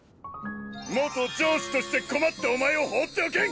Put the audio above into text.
元上司として困ったお前を放っておけん！